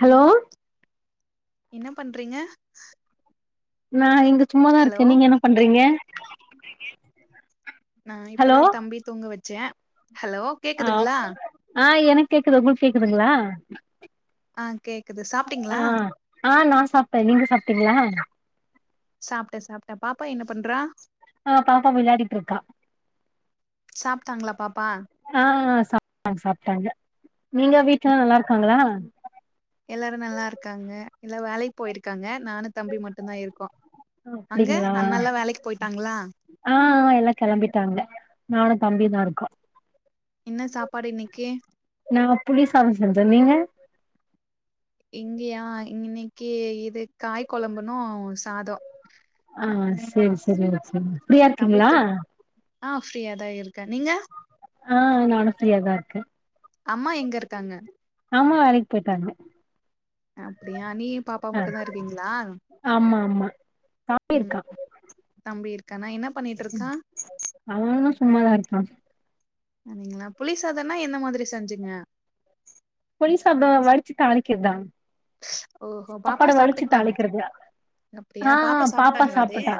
Hello என்ன பண்றீங்க நா இங்க சும்மாதா ஹலோ இருக்க நீங்க என்ன பண்றீங்க நா ஹலோ இப்பதா தம்பி தூங்க வச்ச ஹலோ ஆ கேக்குதுங்ளா ஆ எனக்கு கேக்குது உங்களுக்கு கேக்குதுங்ளா ஆ கேக்குது ஆ சாப்ட்டீங்களா ஆ நா சாப்ட்ட நீங்க சாப்ட்டீங்களா சாப்ட்ட சாப்ட்ட பாப்பா என்ன பண்றா ஆ பாப்பா விளாடிட்டு இருக்கா சாப்ட்டாங்களா பாப்பா ஆ சாப்ட்டாங்க சாப்ட்டாங்க நீங்க வீட்லல்லா நல்லா இருக்காங்களா எல்லாரு நல்லாருக்காங்க எல்லா வேலைக்கு போயிருக்காங்க நானு தம்பி மட்டு தா இருக்கோ அங்க அப்டிங்களா அண்ணல்லா வேலைக்கு போயிட்டாங்களா ஆ ஆ எல்லா கெளம்பிட்டாங்க நானு தம்பிதா இருக்கோ என்ன சாப்பாடு இன்னிக்கு நா புளி சாத செஞ்ச நீங்க இங்கயா இ இன்னைக்கு இது காய் கொழம்புனு சாத ஆ செரி செரி ஓகே ஃப்ரீயா தம்பி இருக்கீங்ளா தூ ஆ ஃப்ரீயா தா இருக்க நீங்க ஆ நானு ஃப்ரீயாதா இருக்க அம்மா எங்க இருக்காங்க அம்மா வேலைக்கு போயிட்டாங்க அப்படியா நீயு பாப் அப்பா ஆ மட்டு்தா இருக்கீங்களா ஆமா ஆமா தம்பி இருக்கா ம் தம்பி இருக்கானா என்ன பண்ணிட்டு இருக்கா அவ என்ன சும்மாதா இருக்கா புளிசாதனா என்ன மாதிரி செஞ்சிங்க புளி சாப்ட வடிச்சி தாளிக்கிறதுதா ஓஹோ பாப்பா சாப்பாட வலிச்சு சாப்ட்டுக்கிட்டாங்க தாளிக்கிறது அப்டியா ஆ பாப்பா சாப்ட்டாங்களா அது சாப்ட்டா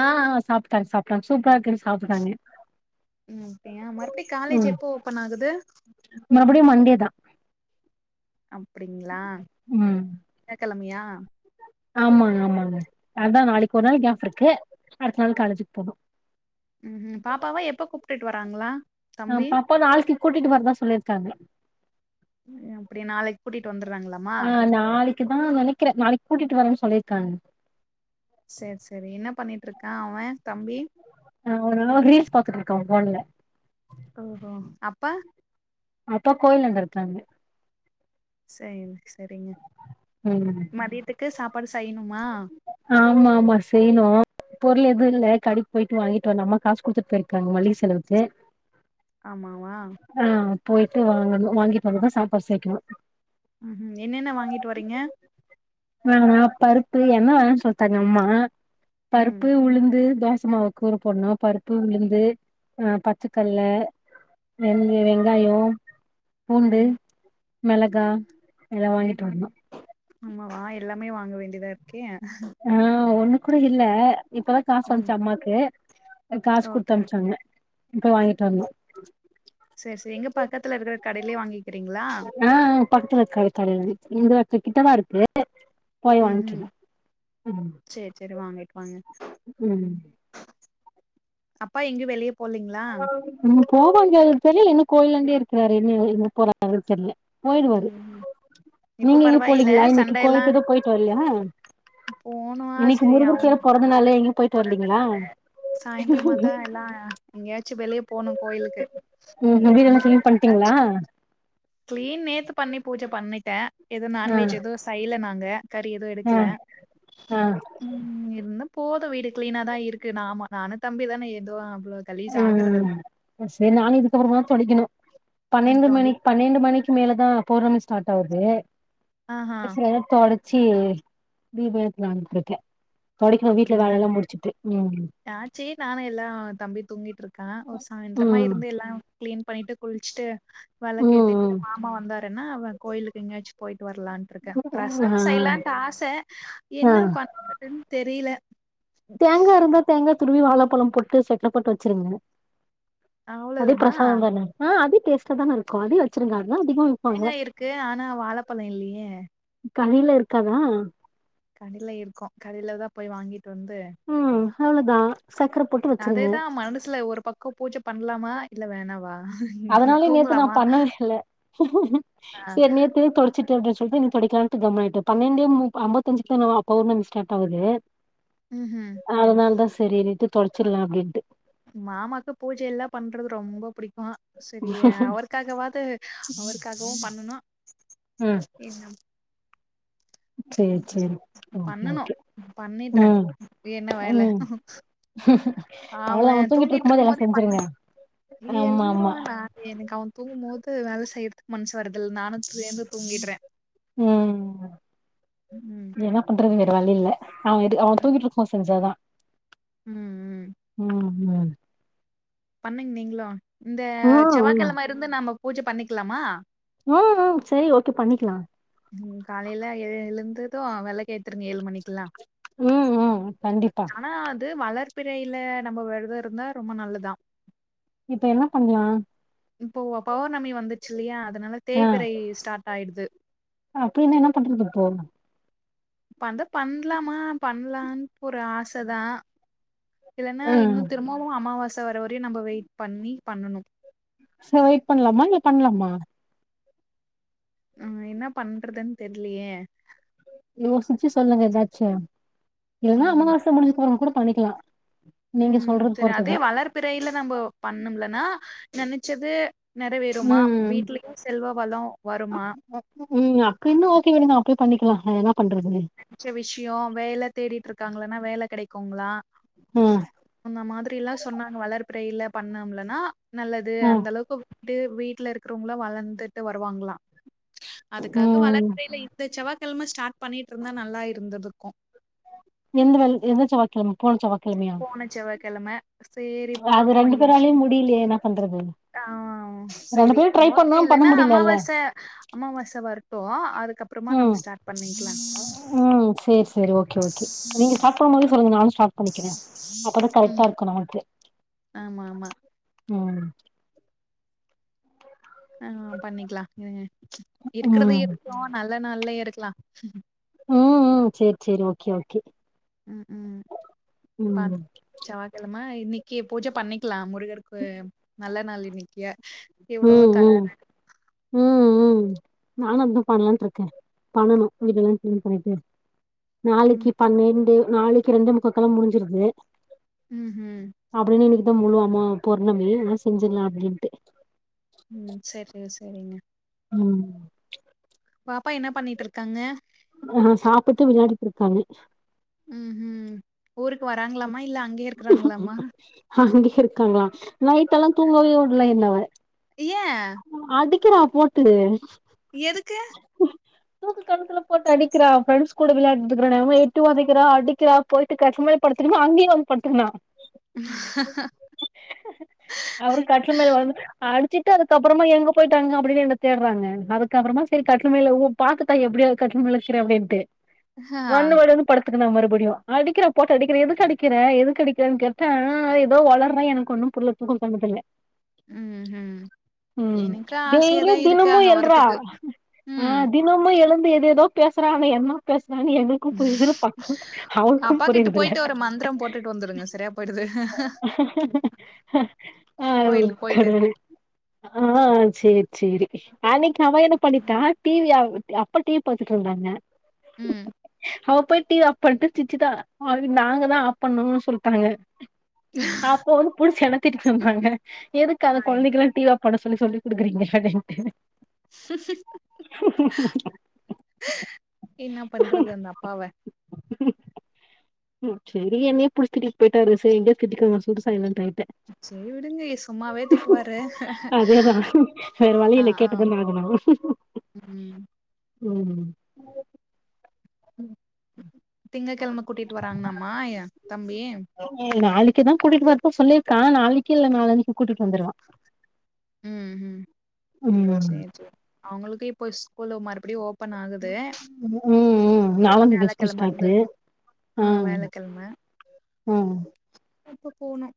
ஆ சாப்ட்டாங்க சாப்ட்டாங்க சூப்பரா இருக்குன் சாப்ட்டாங்க ம் அப்டியா மறுபடியு காலேஜ் ம் எப்போ ஓபன் ஆகுது மறுபடியு மண்டே தா அப்படிங்ளா ம் திங்க கிழமயா ஆமாங்க ஆமாங்க அதா நாளைக்கு ஒரு நாள் கேஃப் இருக்கு அடுத்த நாள் காலேஜுக்கு போன்னு ம்ம் பாப்பாவா எப்ப கூப்ட்டுட்டு வராங்களா ஆ தம்பி பாப்பா நாளைக்கு கூட்டிட்டு வரதா சொல்லிருக்காங்க அப்டி நாளைக்கு கூட்டிட்டு வந்துறாங்களாமா அ நாளைக் குதா நெனைக்கிற நாளைக் கூட்டிட்டு வரேன் சொல்லிருக்காங்க சேர் செரி என்ன பண்ணிட்டுருக்கா அவெ தம்பி ஆ அவெ என்னமோ ரீல்ஸ் பாத்துட்டுருக்கா ஃபோன்ல ஒஹோ அப்பா அப்பா கோயில் அங்க இருக்காங்க செரிங்க செரிங்க ம் மதியத்துக்கு சாப்பாடு செய்யணுமா ஆமாமா செய்ணு பொருள் எது இல்ல கடைக்கு போயிட்டு வாங்கிட்டு வரனு அம்மா காசு குடுத்துட்டு போயிருக்காங்க மலிக செலவுக்கு ஆமாவா ஆ போயிட்டு வாங்கணு வாங்கிட்டு வந்துதா சாப்பாடு சேக்கணு ம் ம் என்னென்ன வாங்கிட்டு வரீங்க ஆ பருப்பு எண்ண வேணான்னு சொல்டாங்க அம்மா ம் பருப்பு உளுந்து தோசமாவு கூறு போட்ணு பருப்பு உளுந்து ஆ பச்சக்கல்ல வெந்து வெங்காயோ பூண்டு ம் மெளகா இதல்லா வாங்கிட்டு வரனு ஆமாவா எல்லாமே வாங்க வேண்டியதா இருக்கே ஆ ஒன்னு கூட இல்ல இப்பதா காசு ம் வந்ச்சு அம்மாக்கு காசு ஓகே குடுத்து அனுப்புச்சாங்க இப்ப வாங்கிட்டு வரணு செர் செரி எங்க பக்கத்துல இருக்கிற கடைலே வாங்கிக்கிறீங்ளா ஆ பக்கத்துல இருக்க க கடைல இங்க கிட்டதா இருக்கு போய் வாங்க்கினு ம் சேர் செரி வாங்கிட்டு வாங்க ம் அப்பா எங்கே வெளிய போலீங்ளா ம் போவாங்க அது தெரிலே என்ன கோயில்லாண்டே இருக்குறாரு என்ன எங்க போறாருன் தெர்ல போயிடுவாரு ம்ஹும் இப்ப நீங்க எங்கு பரவாயில்ல போலீங்களா இன்னைக்கு கோயிலுக்கு எதூ போயிட்டு வர்ல்லையா போனு அ செரி அவனு அதனாலே எங்கெயு சாயந்திரமாதா எல்லா எங்கேயாச்சு வெளிய போனு கோயிலுக்கு ம் இன்னைக் [inaudible] வீடெல்லா கிளீன் பண்ட்டீங்களா கிளீன் நேத்து பண்ணி பூஜ பண்ணிட்டே எது ஆ நான்வெஜ் எது செய்யல நாங்க கறி எது ஆ எடுக்கல ஆ ம் இருந்த போ இப்ப வீடு கிளீனாதா இருக்கு நாமா நானு தம்பி தானே ஏதோ அவ்ளோ கலிஜ் ஆகுறதுல் ம் செரி நானு இதுக்கப்பறமாதா தொடைக்கணு பன்னெண்டு மணிக் பன்ணெண்டு மணிக்கு மேலதா பௌர்ணமி ஸ்டார்ட் ஆவுது ஆஹா அ செர்தா தொடச் சு தீபோ ஏத்தலான்டுருக்கே தொடைக்கனு வீட்ல வேலெல்லா முடிச்சிட்டு ம் நா செ நானு எல்லா தம்பி தூங்கிட்டுருக்கா ஒரு சாயந்திரமா ம் இருந்து எல்லா கிளீன் பண்ணிட்டு குளிச்சுட்டு ம் வெளக்கேத்திட் ம் [inaudible] மாமா வந்தாருன்னா அவெ கோயிலுக்கு எங்கேயாச்சு போயிட்டு வரலான் டுருக்கே பிரசாதொ ஆ செய்லான்ட்டு ஆச ஆ என்ன பண்றதுன்னு தெரில தேங்கா இருந்தா தேங்கா துருவி வாழப்பழம் போட்டு செக்கர போட்டு வச்சிருங்க அதே அவ்ளோதானா பிரசாதோந்தான ஆ அதே டேஸ்ட்டா தானே இருக்கு அதே வெச்சிருங்க அதா அதிகமா விப்பாங்க தேங்கா இருக்கு ஆனா வாழப்பழொ இல்லியே கடைல இருக்காதா கடைல இருக்கும் கடைல தா போய் வாங்கிட்டு வந்து ம் அவ்ளோதா சக்கர போட்டு வச்சிருங்க அதேதா மனசுல ஒரு பக் க்கு பூஜ பண்லாமா இல்ல வேணாவா அதனாலயே நேத்து நா தூங்கலாமா பண்ணவே இல்ல ஆ சேர் நேத்து தொட சிட்டு அப்டி சொல்டு இன்னு தொடைக்கலான்ட்டு கம்முனாய்ட்டே பன்னெண்டு மு அம்பத்தஞ்சுக்தா என்னவா பவுர்ணமி ஸ்டார்ட் ஆவுது உஹூம் அதனாலதா செரீனுட்டு தொடச்சிர்லா அப்டின்ட்டு மாமாக்கு பூஜை எல்லா பண்றது ரொம்ப புடிக்கு செரீ அவரு காகவாது அவருக்காகவு பண்ணனு ம் ஏ நம் சேரி சேரி ஓகே பண்ணணு ஓகே பண்ணிட்றே ம் என்ன வேல ம் அவ அவ்ளோதா தூங்கிட்டு இருக்கும் போது தூங்கிட்ருக்கும் எல்லா போதே பண்ணு செஞ்சிருங்க ஆமா ஆமா எழுந்துருவானா எனக்கு அவன் தூங்கும் போது வேல செய்யறதுக் மனசு வரதில் நானு சேந்து தூங்கிட்றே ம் ம்ம் என்னா பண்றது வேற வழி இல்ல அவ இது அவ தூங்கிட்ருக்கும்போது செஞ்சாதா ம் ம் ம் ம் பண்ணிர்ந்திங்களோ இந்த ம் ம் செவ்வாகிழ இருந்து நம்ம பூஜ பண்ணிக்கலாமா ம் ம் செரி ஓகே பண்ணிக்கலா ம் காலையில எழு எழுந்தது வெலக்கு ஏத்திருங்க ஏழு மணிக்கு எல்லா ம் ம் கண்டிப் அனா அது வளர்பிறையில நம்ம வெரதோ இருந்தா ரொம்ப நல்லதா இப்ப என்ன பண்லா இப்பொவோ பௌர்ணமி வந்துச்சில்லையா அதனால தேய்பிறை ஸ்டார்ட் ஆயிடுது அப்பயினா என்ன பண்றது இப்போ இப்ப அந்தா பண்லாமா பண்லான்ட் ஒரு ஆச தா இல்லன்னா ஆ இன்னு திரும்பவு அம்மாவாச வர வரையு நம்ம வெயிட் பண்ணி பண்ணணு சோ வெயிட் பண்லாமா இல்ல பண்லாமா அ என்ன பண்றதுன் தெர்லையே யோசிச்சி சொல்லுங்க எதாச்சு இல்லனா ம். அம்மாவாச முடிஞ்சதுக்கப்றோ கூட பண்ணிக்லா ம் செரி அதே வளர்ப்பிறையில நம்ம பண்ண முல்லனா நெனச்சது நெறவேறுமா ம் வீட்லயு செல்வ வளோ வருமா ம் அப்டினா ஓகேங்க நம்ம அப்டியே பண்ணிக்லா வேற என்னா பண்றது மிச்ச விஷயோ வேல தேடிட்ருக்காங்ளானா வேல கெடைக்குங்ளா ம் அந்த மாதிரிலா சொன்னாங்க வளர்ப்பிறையில பண்ணம்லனா நல்லது ஆ அந்த அளவுக்கு டு வீட்ல இருக்றவங்கலு வளந்துட்டு வருவாங்ளா அதுக்காக ம் வளர்பிறைல இந்த செவ்வாக்கெழம ஸ்டார்ட் பண்ணிட்ருந்தா நல்லா இருந்துதுக்கு எந்த வெள் எந்த செவ்வாக்கெழம போன செவ்வாக்கெழமையா போன செவ்வாக்கெழமை அது ரெண்டு பேராலயு முடிலையே என்னா பண்றது ஆ ரெண்டு செரி பேரு ட்ரை ஓகே பண்ணோ பண்ண இல்லனா முடியலல்ல அம்மாவாச அம்மாவாச வரட்டு அதுக்கப்றமா ம் நம்ம ஸ்டார்ட் பண்ணிக்லா ம் சேர் சேரி ஓகே ஓகே நீங்க ஸ்டார்ட் பண்ணும்போதே சொல்லுங்க நானு ஸ்டார்ட் பண்ணிக்கிறே அப்பதா கரெக்ட்டா ம் இருக்கு நம்மளுக்கு ஆமா ஆமா ம் ஆ பண்ணிக்லா இருங்க இருக்றது ம் இருக்கு நல்ல நாள்லே எடுக்லா ம் ம் சேரி சேரி ஓகே ஓகே ம் ம் பாத் ம் செவ்வாகிழம இன்னைக்கு பூஜை பண்ணிக்கலா மு முருகருக்கு நல்ல நாள் இன்னைக்கு எவ்ளவோ ம் ம் தராரு ம் ம் நானு அதா பண்ணலான்ட்டு இருக்கே பண்ணனு வீடெல்லா கிளீன் பண்ணிட்டு ம் நாளைக்கு பண்னெண்டு நாளைக்கு ரெண்டே முக்காக்கெலா முடிஞ்சிருது ம் ம் அப்டின்னு இனிக்குதா முழுவம்மா பௌர்ணமி அதல்லா செஞ்சிரலா அப்டின்ட்டு ம் சேர் சேரி சேரிங்க ம் பாப்பா என்ன பண்ணிட்டு இருக்காங்க ஆ சாப்பிட்டு விளாடிட்டு இருக்காங்க ம் ம் ஊருக்கு வராங்களாமா இல்ல அங்கய இருக்கிறாங்களாமா அங்கே இருக்காங்களா நைட் எல்லா தூங்கவே விடல என்ன அவ ஏ அடிக்கிறா போட்டு எதுக்கு க்கு கணத்துல போட்டு அடிக்கிறா ஃப்ரெண்ட்ஸ் கூட விளாடிட்ருக்கனாமா எட்டு வொதைக்கிறா அடிக்கிறா போட்டு க படுத்துகினு அங்கயு வந்து படுத்துகினா அவரு கட்ல மேல வந் அடுச்சிட்டு அதுக்கபறமா எங்க போயிட்டானுங்க அப்டினு என்ன தேடுறாங்க அதுக்கப்பறமா சேரி கட்லு மேல ஓ பாத்துட்டா எப்டியோ கட்டுல் மேல நிக்கிற அப்டின்ட்டு ஆ வன்னு வன்னு படுத்துக்குனா மறுபடியு அடிக்கிறா போட் அடிக்கிற எதுக்கு அடிக்கிற எதுக்கடிக்கிற கேட்டா ஏதோ ஒலர்ரா எனக்கு ஒன்னு புர்ல தூக்கோ கன்னத்துல ம் ம் ம் எனக்கு ஆசையாதா டெய்லியு இருக்கு அங்க வரத்துக்கு உம் என்னம்மோ எழுந்து எதேதோ பேசுறா ஆனா என்ன பேசுறான்னு எங்களுக்கு புரியரதுல்ல பக்கோ அவருக் [unintelligible] கெட்டு போயிட்டு ஒரு மந்திரம் போட்டுட்டு வந்துடுங்க சரியா போயிடுது ஆ கோயிலுக்கு போயிட்டு கடவுளே ஆ சேரி சேரி அன்னைக்கு அவ என்ன பண்ணிட்டா டிவி அப்ப டிவி பாத்துட்டு இருந்தாங்க ம் அவ போயி் டிவி ஆப்பன்டு சிச்சுதா அது நாங்க தா ஆப் பண்ணோன்னு சொல்ட்டாங்க [unintelligible] அப்ப வந்து புடிச் எனத்திட்டிட்டு வந்தாங்க எதுக்கு அந்த ஹாய். கொழந்தைக்குலா டிவி ஆஃப் பண்ண சொல்லி சொல்லி் கொடுக்குறீங்க அப்டின்டு என்னா பண்றது அந்த அப்பாவ ம் சேரி என்னேயே புடுச் திட்டிட்டு போயிட்டாரு சேரி எங்கே திட்டிக்கோங்க னு சொல்லிட்டு சைலண்ட் ஆயிட்டே சேரி விடுங்க சும்மாவே திட்டுவாரு அதேதா வேற வழி ஆ இல்ல ஆ கேட்டுதான ஆகணு ம் ம் [unintelligible] திங்க கெழம கூட்டிட்டு வராங்கலாமா தம்பி நாளைக்கு தான் கூட்டிட்டு வரேன்னு சொல்லியிருக்கான் நாளைக்கு இல்ல நாளான்னைக்கு கூட்டிட்டு வந்துருவா உம் ஹூ ம் சேரி சேரி அவுங்களுக்கு இப்ப ஸ்கூல் மறுபடியு ஓ பன் ஆகுது ம் ம் நாலாந்தேதி வியாழக் ஸ்கூல் கிழமையிலிருந்து ஸ்டார்ட்டு ஆ வியாழக்கெழம ம் இப்ப போனு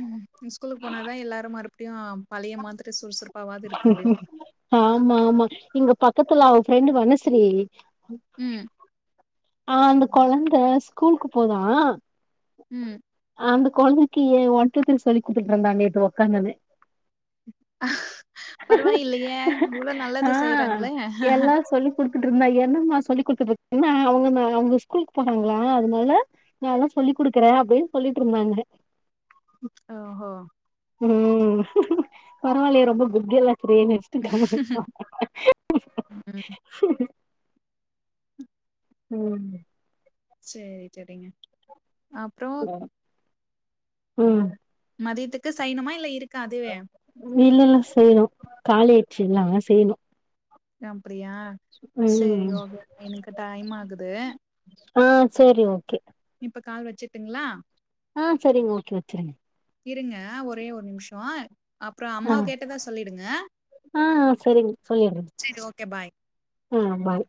ம் ஸ்கூலுக்கு போனாதா எல்லாரும் மறுபடியு பழய மாதிரி சுறுசுறுப் ஆமா ஆமா இங்க பக்கத்துல அவ ஃப்ரெண்ட் வனஸ்ரீ ம் ஆ அந்த கொழந்த ஸ்கூலுக்கு போதா ம் அந்த கொழந்தைக்கு ஒன் டூ த்ரீ சொல்லி கொத்துட்டு இருந்தாங்க நேத்து ஒக்காந்தது பரவாயில்லையே இவ்ளோ நல்லது ஆ செய்யறாங்களே எல்லா சொல்லி குடுத்துட்டு இருந்தா என்னம்மா சொல்லி் கொடுத்துட்டு இருக்கீன்னா அவங்க அவங்க ஸ்கூலுக்கு போறாங்களா அதனால நான்ல்லா சொல்லி் குடுக்குறே அப்படின் சொல்லிட்டு இருந்தாங்க ஓஹோ ம் பரவால்லயே ரொம்ப புத்தியெல்லா ட்ரைன் ஆச் காமெடிப்பா ம் ம் சேரி சேரிங்க அப்றோ ம் மதியத்துக்கு சையனுமா இல்ல இருக்கா அதுவே இல்ல இல்ல செய்யணு காலி ஆய்ட்ச்சி எல்லா செய்யணு அப்பிரியா சரி ம் ஓகே எனக்கு டைம் ஆகுது ஆ சேரி ஓகே இப்ப கால் வச்சுட்டுங்களா ஆ சேரிங்க ஓகே வச்சுரே இருங்க ஒரே ஒரு நிமிஷோ அப்புறொ ஆ அம்மாவ கேட்டதா சொல்லிடுங்க ஆ சரிங்க சரி ஓகே பாய் ம் பாய்